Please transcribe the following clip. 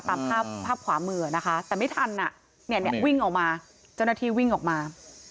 ตามภาพภาพขวามือนะคะแต่ไม่ทันวิ่งออกมาเจ้าหน้าที่วิ่งออกมา